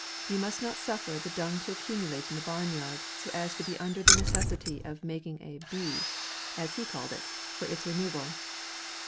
You must not suffer the dung to accumulate in the barn yard, so as to be under the ne cessity of making a bea, (as he call'd it,) for its removal.